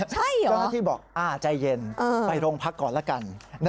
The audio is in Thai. เจ้าหน้าที่บอกใจเย็นไปโรงพักก่อนละกัน